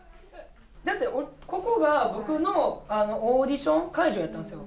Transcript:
だって、ここが僕のオーディション会場やったんですよ。